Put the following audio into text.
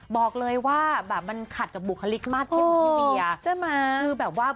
บอกเลยว่าแบบมันขัดกะบุกหลิงมากเหภบพิเวีย